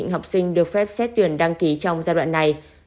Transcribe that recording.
học sinh được phép xét tuyển đăng ký trong giai đoạn này